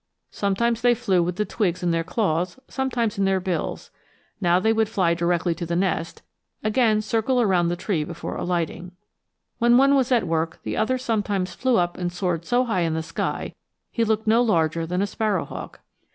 Sometimes they flew with the twigs in their claws; sometimes in their bills; now they would fly directly to the nest, again circle around the tree before alighting. When one was at work, the other sometimes flew up and soared so high in the sky he looked no larger than a sparrow hawk.